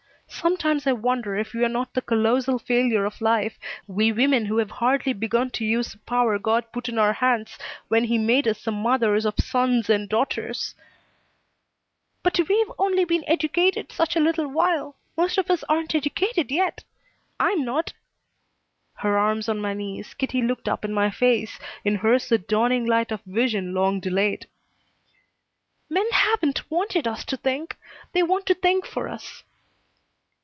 Sometimes I wonder if we are not the colossal failure of life we women who have hardly begun to use the power God put in our hands when He made us the mothers of sons and daughters " "But we've only been educated such a little while most of us aren't educated yet. I'm not." Her arms on my knees, Kitty looked up in my face, in hers the dawning light of vision long delayed. "Men haven't wanted us to think. They want to think for us."